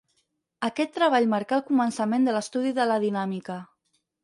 Aquest treball marcà el començament de l'estudi de la dinàmica.